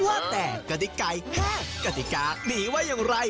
ว่าแต่กติกายแฮะกติการหมีว่ายังไหร่